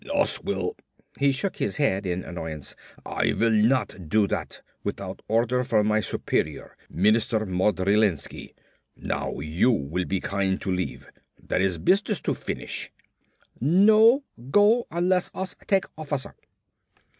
"Us will " He shook his head in annoyance. "I will not do that without order from my superior, Minister Modrilensky. Now you will be kind to leave. There is business to finish." "No go unless us take officer."